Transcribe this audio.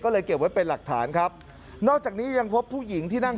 ก็เลยเก็บไว้เป็นหลักฐานครับนอกจากนี้ยังพบผู้หญิงที่นั่ง